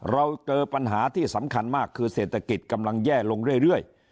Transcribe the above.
เราเจอปัญหาที่สำคัญมากคือเศรษฐกิจกำลังแย่ลงเรื่อย